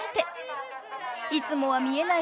［いつもは見えない